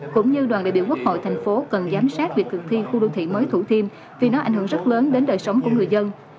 cũng như đoàn đại biểu quốc hội thành phố cần giám sát việc thực thi khu đô thị mới thủ thiêm vì nó ảnh hưởng rất lớn đến đời sống của người dân